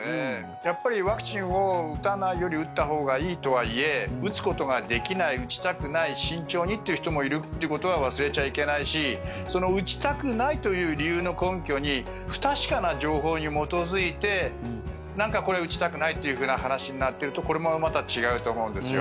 やっぱりワクチンを打たないより打ったほうがいいとはいえ打つことができない打ちたくない慎重にという人もいるってことは忘れちゃいけないしその打ちたくないという理由の根拠に不確かな情報に基づいてなんかこれ、打ちたくないというふうな話になっているとこれもまた違うと思うんですよ。